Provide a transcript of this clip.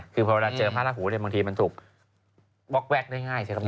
คือเวลาเจอพระราหูบางทีมันถูกป๊อกแวกได้ง่ายใช่ครับ